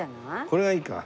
これがいいか。